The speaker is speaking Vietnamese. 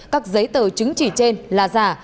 các giấy tờ chứng chỉ trên là giả